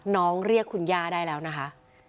เรียกคุณย่าได้แล้วนะคะ